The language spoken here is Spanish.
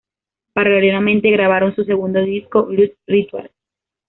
Paralelamente grabaron su segundo disco, Blood Ritual.